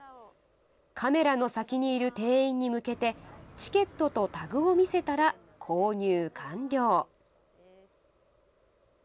カメラの先にいる店員に向けて、チケットとタグを見せたら、購入完了。